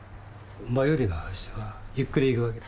馬よりは牛はゆっくり行くわけだ。